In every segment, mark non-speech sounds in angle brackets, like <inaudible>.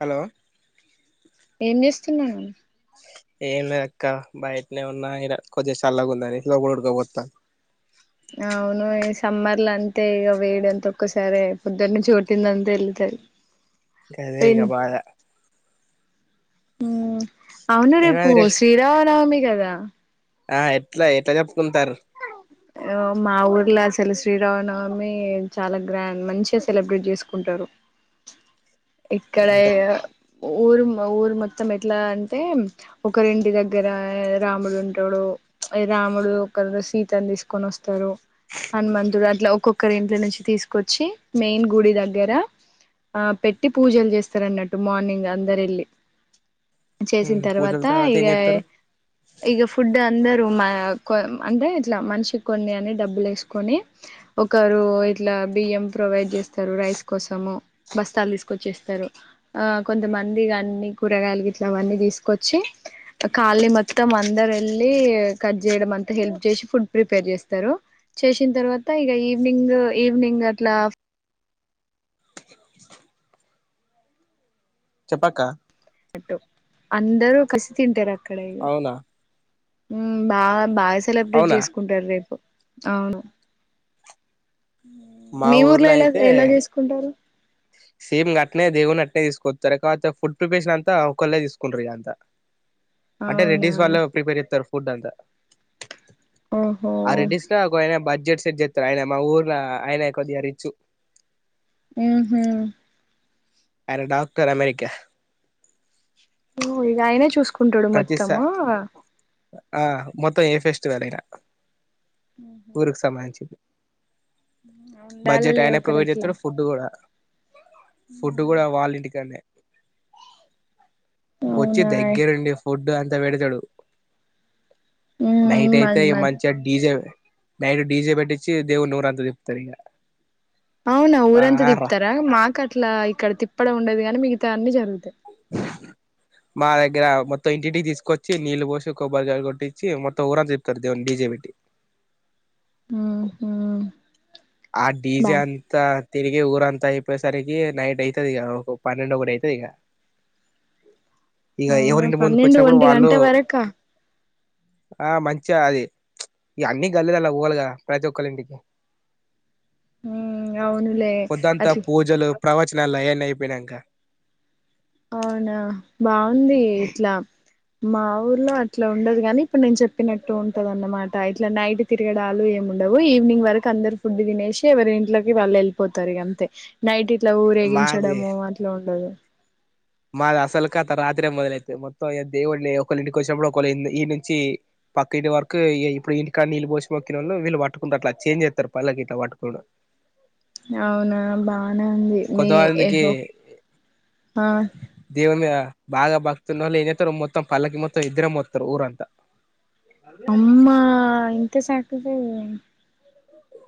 Hello ఏం చేస్తున్నారు ఏం ఉన్నది అక్క బయటనే ఉన్నా ఇడ కొద్దిగ చల్లగ ఉందని లోపట ఉడుకపోతాంది అవును ఈ సమ్మర్ల అంతే ఇగ వేడి అంతా ఒక్కసారిే పొద్దుటినుంచి కొటిందంతా ఎల్లుతది గదే ఇగ బాధ హు అవును రేపు శ్రీరామ నవమి కదా రా ఆ ఎట్లా ఎట్లాచె ఆ మాఊర్ లా అసలు శ్రీరామనవమి చాలా గ్రాండ్ మంచిగా సెలబ్రేట్ చేసుకుంటారు ఇక్కడ అంతే ఊరు ఊరు మొత్తం ఎట్లా అంటే ఒకరింటి దగ్గర రాముడు ఉంటాడు రాముడు ఒకల్లు సీతని తీసుకొని వస్తారు హనుమంతుడు అట్లా ఒక్కొక్కరి ఇంట్లో నుంచి తీసుకొచ్ చేసిన పూజల తర్వాత ఇగ ఏం చెత్తరు ఇకగ ఫుడ్ అందరు మాకు అంటే ఇట్లా మనిషి కొన్ని అని డబ్బులు వేసుకొని ఒకరు ఇట్లా బియ్యం ప్రొవైడ్ చేస్తారు రైస్ కోసము బస్తాలు తీసుకొచ్చేస్తారు ఆ కొంతమంది ఇగ అన్ని కూరగాయలు ఇట్లా అవన్నీ తీసుకొచ్చి కాల్ని మొత్తం అందరు వెళ్ళి కట్ చేయడం అం హెల్ప్ చేసి ఫుడ్ ప్రిపేర్ చేస్తారు చేసిన తర్వాత ఇగ ఈవినింగ్ ఈవినింగ్ అట్లా చెప్పక్క టు అందరు కలిసి తింటార క్కడ ఇగ అవునా హు బా బాయిస్ సెలబ్రేట్ అవునా చేసుకుంటారు రేపు అవును మా మీ ఊర్లో ఎలా ఎలా చేసుకుంటారు సిమ్ గట్నే దేవుణ్ణి గ ట్నే తీసుకొతరు కాకపోతే ఫుడ్ ప్రిపరేషన్ అంతా ఒకళ్ళే తీసుకుంటారు ఇగ అంత అంటే అవునా రెడ్డీస్ వాళ్ళే ప్రిపేర్ చేతరు ఫుడ్ అంతా ఓహో ఆ రెడిస్ ల ఒకాయన బ జడ్షెడ్ సెట్ చేతడు ఆయన మా ఊర్ల ఆయన కొద్దిగా రిచ్చు మ్ హు అరే డాక్టర్ అమెరికా ఓ వీలా ఆయినే చూస్ కుంటడు ప్రతిసా మొత్తము ఆ మొత్తం ఏ ఫెస్టివల్ అయినా ఊరుకి సంబంధించింది ఉండాలి బడ్జెట్ లే ఆయన ప్రొవైడ్ ఒకరట్లా చేస్తాడు ఫుడ్ కూడా ఫుడ్ కూడా వాళ్ళ ఇంటికాన్నే. వచ్చి అవునా దగ్గెరుండు ఫుడ్ అంత వెడుతడు ఉమ్ నైట్ అయితే మన్ మన్ మంచిగా డీజే నైట్ డిజే పెట్టిచ్చి దేవు నూరా అంత తిప్తారుక అవునా ఊరంత దప్తారా మా క ఇట్లా ఇక్కడ తిప్పడం ఉండదు గాని మిగతా అన్నీ జరుగుతాయి మా దగ్గర మొత్తం ఇంటింటికి తీసుకొచ్చి నీళ్ళు పోసి కొబ్బరికాయ కొట్టిచ్చి మొత్తం ఊరంతా తిప్పుతారు దేవున్ని డీ జె పెట్టీ. మ్మ్ హ్మ్ ఆ డీజె అంతా తిరిగి ఊరు అంతా ఇ తిప్పసరికి నైట్ అయితది ఇక ఒక పన్నెండు ఒకటి అయితది ఇక అవునా పన్నెండు ఒంటి గంట వరకా ఆ మంచిగా అది ఇగ అన్నీ గలీలలా పోవాలి కదా ప్రతి ఒక్కరి ఇంటికి అవునులే పొద్దంతా అట్ల పూజలు ప్రవచనాలు అవి అన్ని అయిపోయినాక అవునా బాగుంది ఇట్లా మా ఊర్లో అట్లా ఉండదు కాని ఇప్పుడు నేను చెప్పినట్టు ఉంటద అన్నమాట ఇట్లా నైట్ తిరగడాలు ఏమిండవు ఈవినింగ్ వరకు అందరు ఫుడ్ తినేసి ఎవరి ఇంట్లోకి వాళ్ళు వెళ్ళిపోతారు అంతే నైట్ అట్లా మాది ఊరేగించడము అట్లా ఉండదు మాది అసలు కత రాత్రే మొదలైతది మొత్తం దేవుడిని ఒకళ ఇంటికి వచ్చినప్పుడు ఒక ఈడి నుంచి పక్క ఇంటి వరకు ఇప్పుడు ఇంటి కాని నీళ్ళు పోసి మొకిన వాళ్ళు వళ్ు పట్టుకుంటారు అట్లా చేంజ్ చేస్తారు పళ్లకి ఇట్లా పట్టుకుని అవునా బానే ఉంది మీ ఏ కొంతమందికి దేవుని కదా బాగా భక్తి ఉన్న ఏంచేస్తారు మొత్తం పల్లకి మొత్తం ఇద్దరే మోస్తారు ఊరంత పరిధి అమ్మా నఫాను ఇంత సాక్రిఫైస్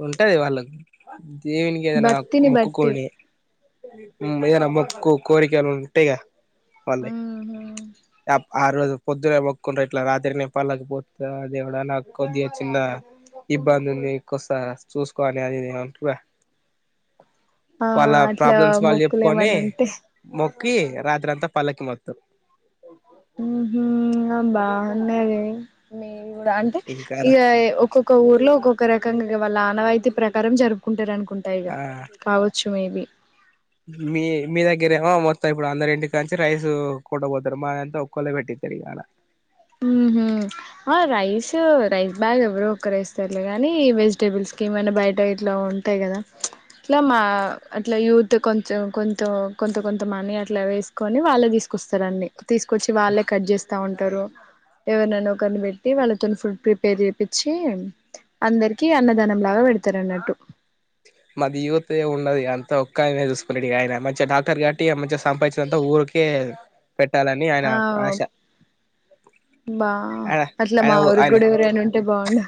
ఉంటది వాళ్ళకు దేన్కది నాక్ భక్తిని బట్టి మోక్కుకుని మ్ ఎరా మొక్కు కోరికలు ఉంటాయిగా ఉహ్ హ్మ్ తప్ ఆ రోజు పొద్దునే మొక్కుంటారు ఇట్లా రాత్రిని పల్లక్ మోత దేవ్వుడా నాకు కొద్దిగా చిన్న ఇబ్బంది ఉంది కోస్తా చూసుకోని అది ఇది అంటార్గు ఆ వాళ్ళ అట్లా ప్రాబ్లమ్స్ వాళ్ళు మొక్కులు చెప్పుకొని ఏమన్నా ఉంటే మొక్ కి రాత్రి అంతా పల్లకి మొత్తరూ. ఉహు. ఆ బాగున్నది మీ అంటే ఇంకా ఇగా ఒక్కొక్క ఊర్లో ఒక్కొక్క రకంగా. ఇగ వాళ్ల ఆనవైతి ప్రకారం జరుపుకుంటారు అనుకున్ ఉంటా యిగా ఆ కావచ్చు మేబి. మీ మీ దగ్గరేమో మొత్తం ఇప్పుడు అందరి ఇంటి కాడ నుంచి రైసు కోంట పోతారు మా దాంట్లో ఒక్కరే పెడతారు ఈయాల. ఉమ్ హు ఆ రైసు రైస్ బాగ్ ఎవరో ఒకరు వేస్ట్ సర్లే గాని వెజిటేబుల్స్ కి వల్ల బయట ఏమైనా ఉంటాయి గదా అట్ల మా అట్లా యూత్ కొంచెం కొంచెం కొంత కొంత మనీ అట్లా వేసుకొని వాళ్లే తీసుకొస్తారు. అన్ని. తీసుకొచ్చి వాళ్లే కట్ చేస్తా ఉంటారు. టారు. ఎవరినైన ఒకరిని పెట్టి వాళ్లతో ఫుడ్ ప్రిపేర్ చేపిచ్చి అందరికీ అన్నదానం లాగా పెడతారన్నట్టు. మా యూత్ ఏముండదు అంతా ఒక్క అయినా చూసుకుంటాడు ఇగ ఆయనే మంచిగా డాక్టర్ కాబటి ఇగ సంపాదించిందంతా ఊరికే. పెట్టాలని ఆయన ఆ ఆశ బా ఆయన అట్ల ఆయన మా ఊరికి ఆయన కూడా ఎవరైనా ఉంటే బాగుండు.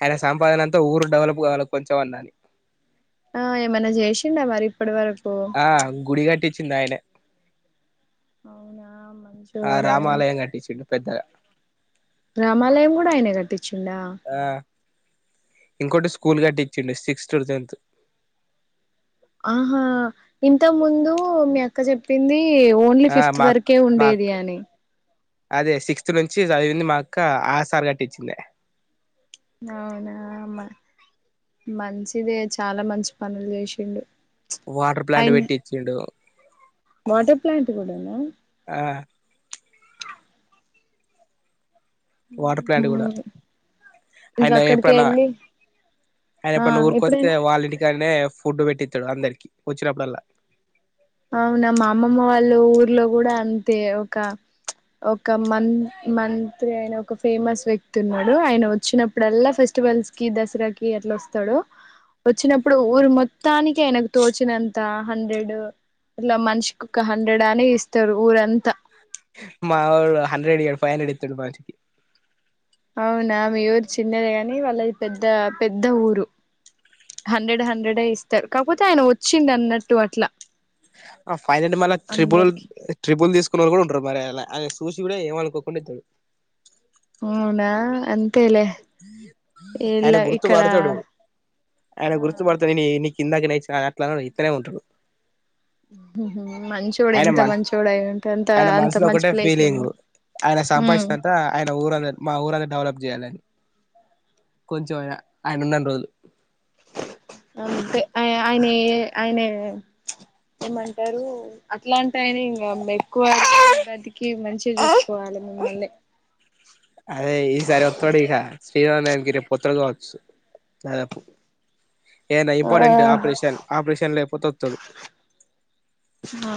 ఆయన సంపాదన అంతా ఊరు డెవలప్ కొంచమైనా అని. ఆ ఏమన్నా చేసిండా మరి ఇప్పటివరకు. ఆ గుడి కట్టిచి తింది ఆయనే అవునా ఆ మంచోడే రామాలయం కట్టిచ్చిండు పెద్దగా. రామాలయం కూడా ఆయనే కట్టించిండా. ఆ చూడు టెన్త్. ఆహా ఇంతకుముందు మీ అక్క చెప్పింది. కి ఓన్లీ ఆ ఫిఫ్త్ మాక్ వరకు మాక్ ఉండేది అని. అదే సిక్స్త్ నుంచి చదివింది మా అక్క ఆ సార్ కట్టించిందే. అవునా మా మంచిదే చాలా మంచి పనులు చేసిండు. వాటర్ ప్లాంట్ ఆయన పెట్టి ఇచ్చిండు. కూడనా. ఆ. వాటర్ ప్లాంట్ కూడా ఇంకా ఆయన అక్కడికి ఎప్పుడైనా వెళ్ళి అయినా ఎప్పుడైనా ఊరికి వస్తే వాళ్ళ ఇంటికాడనే. ఫుడ్ పెట్టిస్తాడు అందరికీ వచ్చినప్పుడల్లా. అవునా మా అమ్మమ్మ వాళ్ళు కూడా అంతే ఒక, ఒక మంత్రి ఆయన ఫేమస్ వ్యక్తి ఉన్నాడు. ఆయన వచ్చినప్పుడల్లా ఫెస్టివల్స్ కి దసరాకి వస్తాడు. వచ్చినప్పుడు ఊరు మొత్తానికి ఆయనకు తోచినంత హండ్రెడ్. ఇట్లా మనిషికి ఒక హండ్రెడ్ అని ఇస్తారు ఊరంతా. మావాడు హండ్రెడ్ ఈయడు ఫైవ్ హండ్రెడ్ ఇతడు మనిషికి. అవునా మీ ఊరు చిన్నది కానీ వాళ్లది పెద్ద ఊరు హండ్రెడ్, హండ్రెడ్ ఏ ఇస్తారు కాకపోతే ఆయన వచ్చిండు అన్నట్లు అట్లా. ఆ ఫైనల్లీ మాల్ల అందరికి త్రిబుల్ తీసుకున్న వాళ్ళు కూడా ఉంటారు మలా ఆళ్ల. అయినా చూసి కూడా ఏమనుకోకుండా ఇతడు. అవునా అంత్ ఆయన గుర్తు ఇక్కడ పడతాడు ఆయన గుర్తు ఆ పడతాడు <unintelligible> కిందకి నయి ట్లా ఇత్తనే ఉంటారు మంచోడు ఆయన ఎంత మ మంచోడు అయి ఉంటే అంత ఆయన అంత మనసులో మంచి ఒకటే ప్లేస్ లో ఫీలింగ్ు ఉన్నావ్ ఆయన సంపాదించినంత ఆయన ఊరంద మా ఊరంత డెవలప్ చేయాలని కొంచం అనందం రోజలు అంటే ఆయన ఆయన ఏమంటారు అట్లాంటి ఆయన ఇంకా ఎక్కువతికి మంచిగా చూసుకోవాలి మిమ్మల్ని అదే ఈ సారి ఒత్తవాడిఖా చనాణనికి రేపు పొతులు కావచ్చు దాదాపు ఏనా ఆ ఇంపార్ర్టెంట్ ఆపరేషన్ ఆపరేషన్ లోపోతే తడుపు ఆ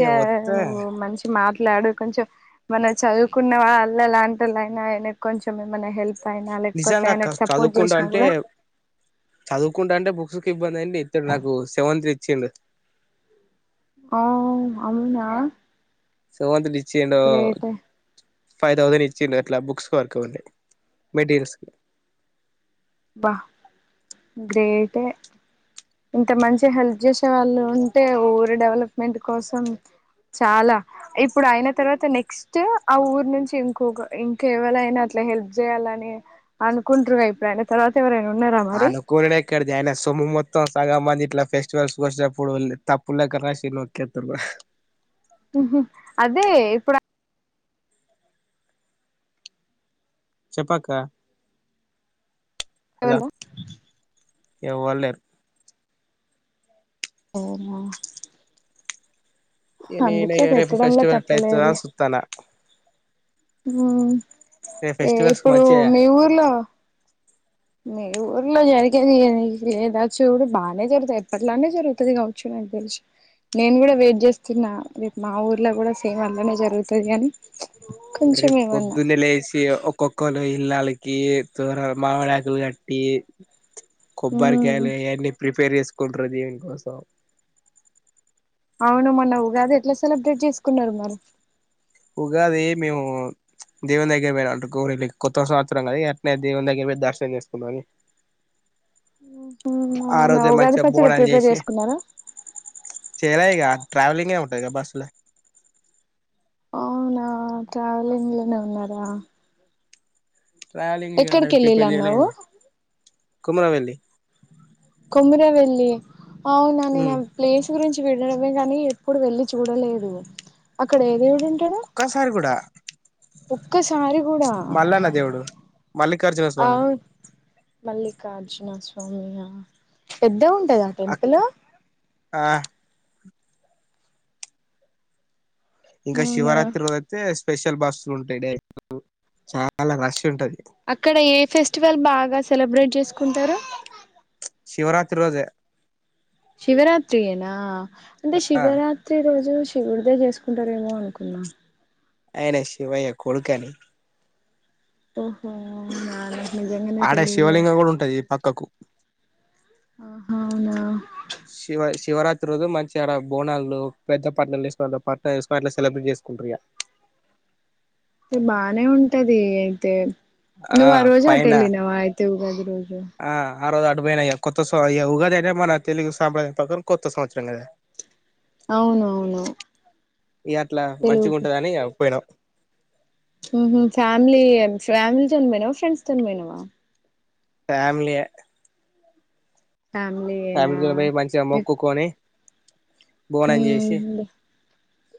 ఇగ వత్తే నువ్వు మంచి మాట్ అట్లాడు కొంచెం మనం చదువుకున్న వాళ్ళలాంటిల అయినాయన కొంచెం ఏమనా హెల్ప్ అయినా లేకపోతే నిజంగా అక్క ఆయనకు సపోర్ట్ చదువుకుంటా చేసినా అంటే కూడా చదువు కుంటా అంటే బుక్స్ కి ఇబ్బంది అండి ఇడు నాకు సెవంత ఇచ్చి ఆ అవునా సమంత <unintelligible> గ్రేట్ ఫైవ్ థౌసండ్ ఇచ్చిండ అట్లా బుక్స్ వరకు వండే మెటీరియల్స్ కి బా గ్రేట్ ఇంత మంచి హెల్ప్ చేసే వాళ్ళు ఉంటే ఊరు డెవలప్మెంట్ కోసం చాలా ఇప్పుడు అయిన తర్వాత నెక్స్ట్ ఆ ఊరు నుంచి ఇంకొక ఇంకెవరైనా అట్లా హెల్ప్ చేయాలని అనుకుంటారు ఇప్పుడు ఆన తర్వాత ఎవరైనా ఉన్నారా మరి అను కోరినే కడది ఆయన సొముత్ మొత్తం సగం మంది ఇట్లా ఫెస్టివల్స్కి వచ్చేప్పుడు తప్పులేకసి నకేతు అదే ఇప్పుడు చెప్పక్క అవునా ఎవ్వలేరు అనా ఏని ఎర్ఫి ఫెస్టివల్ట్యితుదా తప్పలేదులే సుతానా ఫెస్టివల్స్ కి ఇప్పుడు మంచిగా మీ ఊర్లో మీ ఊర్లో జరిగేదికు లేదా చూడు బాగానే జరుగుతంది ఎప్పట్లానే జరుగుతుది కావచ్చు నాకు తెలుసు నేను కూడా వెయిట్ చేస్తున్నా రేపు మా ఊర్లో కూడా సేమ్ అలానే జరుగుతుది కాని రపు పొద్దున్నె లే వసి ఒక్కొక్క కొల ఇల్లాలకి తూర మామిడాకులు కట్టి కొబ్బార ఉమ్ కాల ఎన్ని ప్రిపెర్ చేసు కొడు్రదివని కోసం అవునమ్మా నవ్వు కాదు ఎట్లా సెలబ్రేట్ చేసుకున్నారు మరి ఉగాది మేము దేవుని దగ్గర పోయినా అంటుకోనిళ్ కొత్త సంవత్సరం అది వెట్నే దేవుని దగ్గర పోయి దర్శనం చేసుకున్నాంమని ఉమ్ ఆ అవునా రోజు ఉగాది మంచిగా పచ్చడి బోనాలు ప్రిపేర్ చేసి చేసుకున్నారా చేయాలయిక ట్రావెలింగే ఉంటది బస్ పలా అవునా ట్రావెలింగ్ లోనే ఉన్నారా ట్రావెలింగ్ లే ఎక్కడికి వెళ్ళిళ్ళు ప్రిపేర్ చేయలే అన్నావు కుమరావెళ్లి కొముర వెెళ్ళ అవునా నేను ఉమ్ ప్లేస్ గురించి విడడమే కాని ఎప్పుడు వెళ్ళలి చూడలేదు అక్కడ ఏదే కుక్కసారి కూడా ఒక్కసారి కూడా మల్లాన్న దేవుడు మల్ళక్ రికార్డు చెయ్ ఆ సామి మల్లికార్జున స్వామయా పెద్ద ఉంటదా అక్ టెంపుల్ ఆ ఇంకా అవునా శివరాత్రి వదతే స్పెషల్ బస్సులు ఉంటాయి డ చాలా రష్ ఉంటది అక్కడ ఏ ఫెస్టివల్ బాగా సెలబ్రేట్ చేసుకుంటారా శివరాత్రి రోజే శివరాత్రి అనా అే ఆ శివరాత్రి రోజు శివుడిదే చేసుకుంటారేమో అనుకున్నా ఆయన శివయ్య కొడుకుని త ఆడ శివలింగం కూడా ఉంటది ఈ పక్కకు ఆ అవునా శివ శివరాత్రి రోజు మంచి అడ బోనాల్లో పెద్ద పట్ల వసుకు పల వ పట్ల సెలబ్రేట్ చేసుకుంట్ర అ బానే ఉంటది అయితే నువ్ ఆ రోజ అటలినవ ఆయ ఉ ఉగాది రోజు ఆ ఆ రోజు అటుపోయినా ఇగ కొత్త స ఇగ ఉగాది అనే మన తెలుగు సాంప్రదాయం ప్రకారం కొత్త సంవత్సరం కదా అవును అవును పిలువుపో పోయినం మ్మ్ హ్మ్ ఫ్యామిలీ ఫ్యామిలీతోని పోయినావా ఫ్రెండ్స్ తోని పోయినవా ఫ్యామిలీయే ఫ్యామిలీయేనా ఫ్యామిలీలో పోయి మంచిగా మొక్కుకొని బోనం చేసి ఉమ్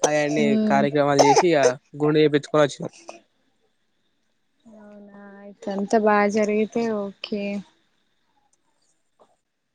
అవన్నీ ఉమ్ కార్యక్రమాలు చేసి ఇగ గుండు చేపిచ్చుకొని వచ్చినాం. అవునా అయితే అంతా బాగా జరిగితే ఓకే